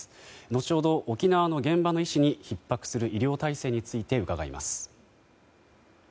後ほど、沖縄の現場の医師にひっ迫する医療体制について伺います。